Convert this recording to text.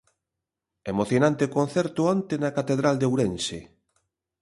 Emocionante concerto onte na catedral de Ourense.